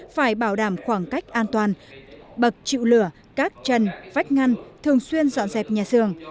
phải bảo đảm khoảng cách an toàn bật chịu lửa cắt chân vách ngăn thường xuyên dọn dẹp nhà xương